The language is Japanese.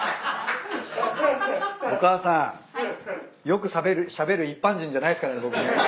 よくしゃべる一般人じゃないですからね僕ね。